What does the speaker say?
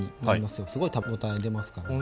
すごい食べ応え出ますからね。